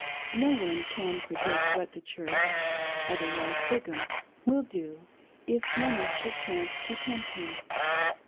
No one can predict what the Church — otherwise Brigham— will do, if money should chance to tempt him.